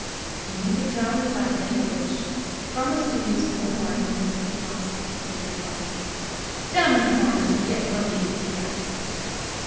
"We mean to drown your bad language. Promise to use no more on this peat moss," returned Rob. "Damn the promise you get from me!" he gasped.